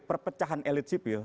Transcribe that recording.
perpecahan elit sipil